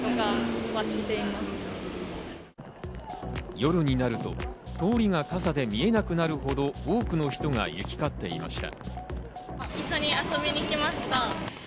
夜になると通りが傘で見えなくなるほど多くの人が行きかっていました。